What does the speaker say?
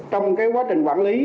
trong quá trình quản lý